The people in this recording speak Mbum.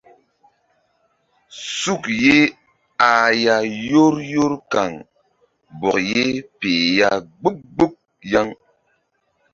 Suk ye ah ya yor yor kaŋ bɔk ye peh ya mgbuk mgbuk yaŋ.